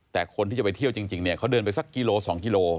แต่คนที่จะไปเที่ยวจริงเนี่ยเขาเดินไปสักกิโล๒กิโล